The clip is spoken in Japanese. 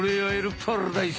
パラダイス。